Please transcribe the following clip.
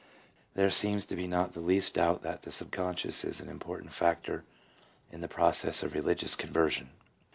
There seems to be not the least doubt that the subconscious is an important factor in the process of religious conversion.